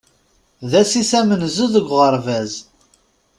D ass-is amenzu deg uɣerbaz.